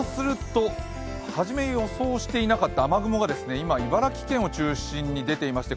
初め予想していなかった雨雲が茨城県を中心に出ていまして